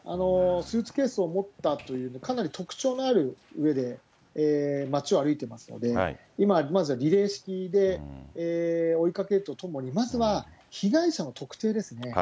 スーツケースを持っていたというかなり特徴のあるうえで、街を歩いてますので、今、まずはリレー式で追いかけるとともに、まずは被害者の特定ですね。